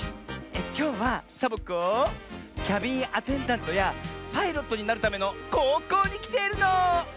きょうはサボ子キャビンアテンダントやパイロットになるためのこうこうにきているの！